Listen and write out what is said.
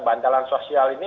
bantalan sosial ini